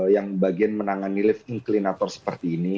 yang bagian menangani lift inklinator seperti ini